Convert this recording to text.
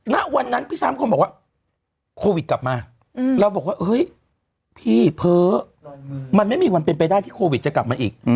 ณวันนั้นพี่ช้างคนบอกว่าโควิดกลับมาเราบอกว่าเฮ้ยพี่เพ้อมันไม่มีวันเป็นไปได้ที่โควิดจะกลับมาอีก